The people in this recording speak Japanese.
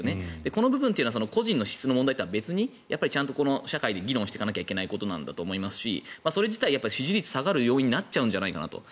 この部分というのは個人の資質の問題とは別にちゃんと社会で議論していかなければいけないことだと思いますしそれ自体、支持率が下がる要因になっちゃうんじゃないかなと。